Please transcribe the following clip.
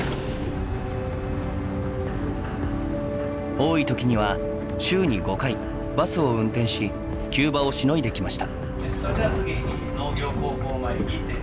多いときには週に５回バスを運転し急場をしのいできました。